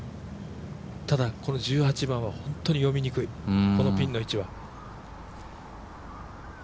ただ、この１８番は本当に読みにくいこのピンの位置は。